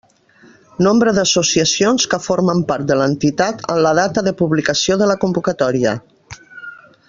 Nombre d'associacions que formen part de l'entitat en la data de publicació de la convocatòria.